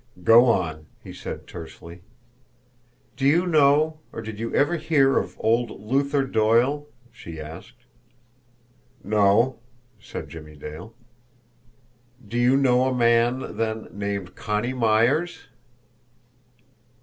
"Go on," he said tersely. "Do you know, or did you ever hear of old Luther Doyle?" she asked. "No," said Jimmie Dale. "Do you know a man, then, named Connie Myers?"